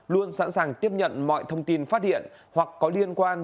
luôn sẵn sàng tiếp nhận mọi thông tin phát hiện hoặc có liên quan